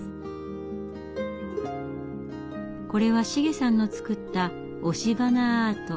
これはシゲさんの作った押し花アート。